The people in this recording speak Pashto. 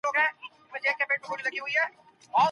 د ټولني زړې ستونزې په اسانۍ نه حل کيږي.